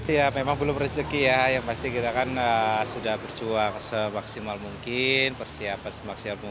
ya memang belum rezeki ya yang pasti kita kan sudah berjuang semaksimal mungkin persiapan semaksimal mungkin